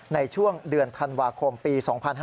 ในช่วงเดือนธันวาคมปี๒๕๕๙